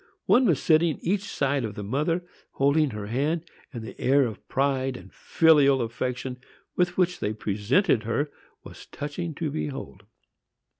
One was sitting each side the mother, holding her hand; and the air of pride and filial affection with which they presented her was touching to behold.